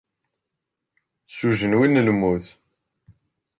Seg ujenwi n lmut.